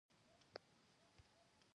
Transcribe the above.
دواړه د پښتو د معاصر غزل سرلاري وو.